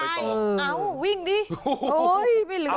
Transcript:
ใช่เอาวิ่งดิโอ๊ยไม่เหลือ